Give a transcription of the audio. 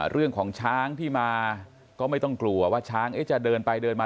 เรื่องของช้างที่มาก็ไม่ต้องกลัวว่าช้างจะเดินไปเดินมา